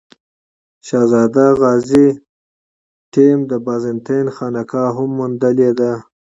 شهزاده غازي ټیم د بازنطین خانقا هم موندلې ده.